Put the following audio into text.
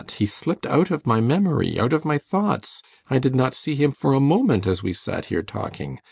He slipped out of my memory out of my thoughts. I did not see him for a moment as we sat here talking.